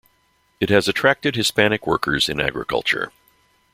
It has attracted Hispanic workers in agriculture.